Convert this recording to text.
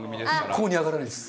一向に上がらないです。